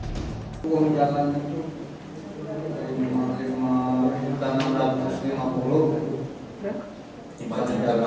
tukang jalan itu rp lima enam ratus lima puluh